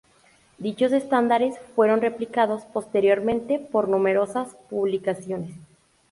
Dichos estándares fueron replicados posteriormente por numerosas publicaciones.